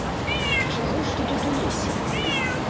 Чаго ж ты тут у лесе?